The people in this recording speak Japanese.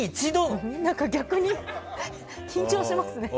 逆に緊張しますね。